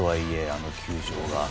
あの球場が。